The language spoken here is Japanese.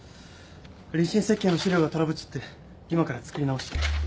立進設計の資料がトラブっちゃって今から作り直し。